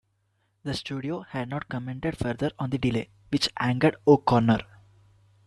The studio had not commented further on the delay, which angered O'Connor.